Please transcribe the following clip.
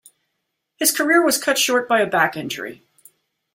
His career was cut short by a back injury.